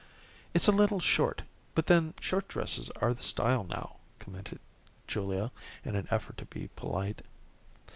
"It's a little short, but then short dresses are the style now," commented Julia in an effort to be polite.